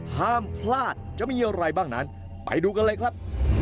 ห้ามพลาดจะมีอะไรบ้างนั้นไปดูกันเลยครับ